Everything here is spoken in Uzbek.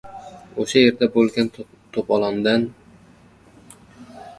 — O‘sha yerda bo‘lgan to‘polondan?